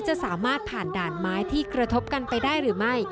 จะสามารถผ่านด่านไม้ที่กระทบกันไปได้หรือไม่